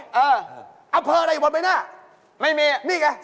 ก็เผื่ออะไรอยู่บนเบนหน้าอันที่นี่ไม่มี